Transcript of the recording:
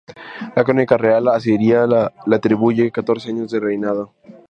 La "Crónica real" asiria le atribuye catorce años de reinado.